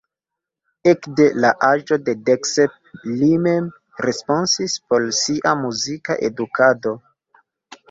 Ekde la aĝo de dek sep li mem responsis por sia muzika edukado.